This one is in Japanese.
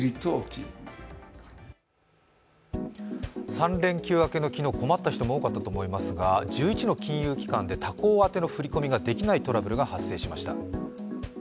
３連休明けの昨日、困った人も多かったと思いますが、１１の金融機関で他行宛の振り込みができないトラブルが発生しました。